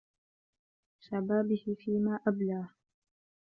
شَبَابِهِ فِيمَا أَبْلَاهُ